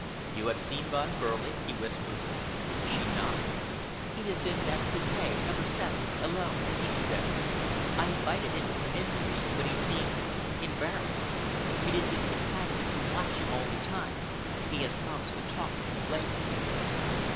"You have seen Von Behrling?" he whispered. She nodded. "He is in that coupe, number 7, alone," she said. "I invited him to come in with me but he seemed embarrassed. It is his companions who watch him all the time. He has promised to talk with me later."